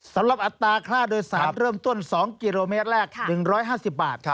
อัตราค่าโดยสารเริ่มต้น๒กิโลเมตรแรก๑๕๐บาท